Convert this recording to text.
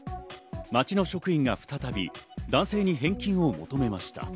町の職員が再び男性に返金を求めました。